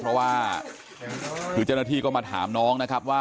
เพราะว่าคือเจ้าหน้าที่ก็มาถามน้องนะครับว่า